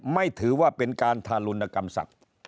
ไม่ถือว่าเป็นการทารุณกรรมสัตว์